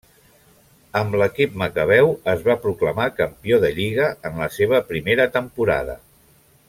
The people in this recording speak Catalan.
Amb l'equip macabeu es va proclamar campió de lliga en la seva primera temporada.